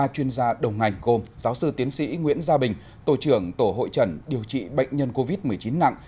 ba chuyên gia đầu ngành gồm giáo sư tiến sĩ nguyễn gia bình tổ trưởng tổ hội trần điều trị bệnh nhân covid một mươi chín nặng